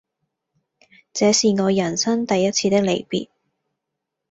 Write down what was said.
這是我人生第一次的離別